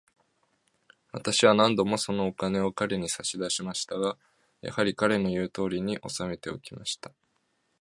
私は何度も、そのお金を彼に差し出してみましたが、やはり、彼の言うとおりに、おさめておきました。